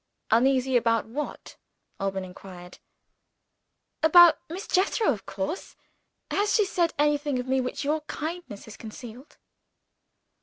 "Uneasy about what?" Alban inquired. "About Miss Jethro, of course! Has she said anything of me which your kindness has concealed?"